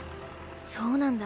そうなんだ。